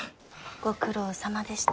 ご苦労さまでした。